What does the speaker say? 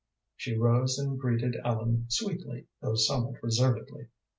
She rose and greeted Ellen sweetly, though somewhat reservedly.